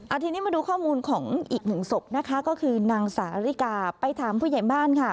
ทีนี้มาดูข้อมูลของอีกหนึ่งศพนะคะก็คือนางสาริกาไปถามผู้ใหญ่บ้านค่ะ